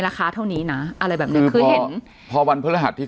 ราคาเท่านี้น่ะอะไรแบบนี้คือเห็นพอวันเพื่อรหัสที่